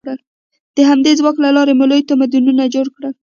د همدې ځواک له لارې مو لوی تمدنونه جوړ کړل.